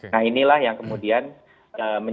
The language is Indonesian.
nah inilah yang kemudian menjadi